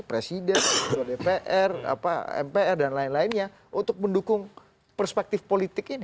presiden ketua dpr mpr dan lain lainnya untuk mendukung perspektif politik ini